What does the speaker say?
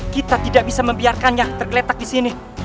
kita tidak bisa membiarkannya tergeletak di sini